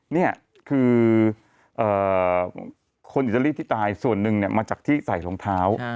นี่คือคนอิตาลีที่ตายส่วนหนึ่งมาจากที่ใส่รองเท้า